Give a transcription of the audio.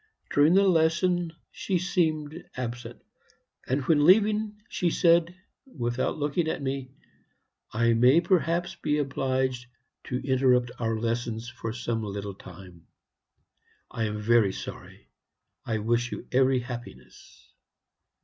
During the lesson she seemed absent; and when leaving she said, without looking at me, 'I may perhaps be obliged to interrupt our lessons for some little time; I am very sorry. I wish you every happiness.'